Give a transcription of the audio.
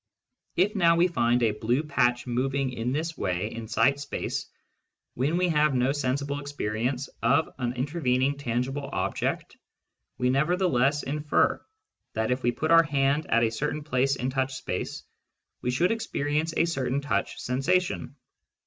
If now we find a blue patch moving in this way in sight space, when we have no sensible experience of an intervening tangible object, we nevertheless infer that, if we put our hand at a certain place in touch space, we should experience a certain touch sensation.